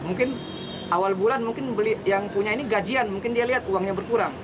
mungkin awal bulan mungkin yang punya ini gajian mungkin dia lihat uangnya berkurang